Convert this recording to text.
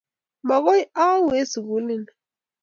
Makoy au eng' sukuli ni.